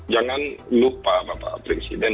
jangan lupa bapak presiden